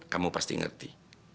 kamu pasti ngerti